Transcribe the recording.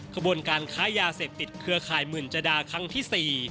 ขบวนการค้ายาเสพติดเครือข่ายหมื่นจดาครั้งที่๔